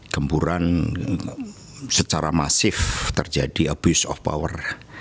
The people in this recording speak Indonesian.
gempuran secara masif terjadi abuse of power